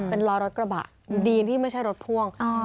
เป็นรอยรถกระบะดีที่ไม่ใช่รถพ่วง